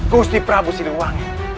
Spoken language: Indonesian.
gusti prabu siluwangi